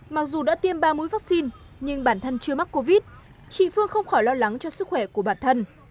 mặc dù đã tiêm ba mũi vaccine nhưng bản thân chưa mắc covid chị phương không khỏi lo lắng cho sức khỏe của bản thân